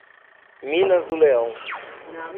Minas do Leão